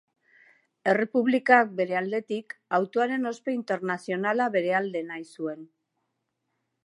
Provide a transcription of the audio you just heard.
Errepublikak, bere aldetik, autorearen ospe internazionala bere alde nahi zuen.